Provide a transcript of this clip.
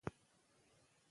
که مینه وي نو ګلزار وي.